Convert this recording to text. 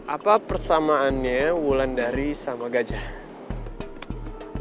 apa persamaannya wulan dari sama gajah